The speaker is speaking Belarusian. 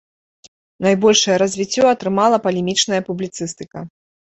Найбольшае развіццё атрымала палемічная публіцыстыка.